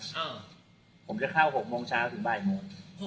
ผมจะเข้า๖บาทโมงเช้าถึง๑๐บาท